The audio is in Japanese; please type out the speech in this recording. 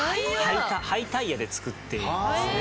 廃タイヤで作っていますね。